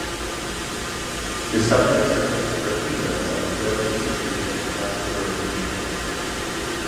The subjects of the sgraffito are the Joyful Mysteries of the Blessed Virgin Mary.